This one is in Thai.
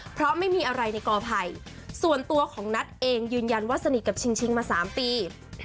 เพราะไม่มีอะไรในกอไผ่ส่วนตัวของนัทเองยืนยันว่าสนิทกับชิงมา๓ปี